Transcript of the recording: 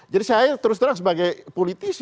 jadi saya terus terang sebagai politik